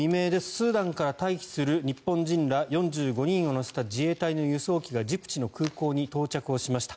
スーダンから退避する日本人ら４５人を乗せた自衛隊の輸送機がジブチの空港に到着しました。